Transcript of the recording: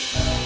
baru tau ya